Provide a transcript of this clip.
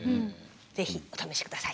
是非お試し下さい。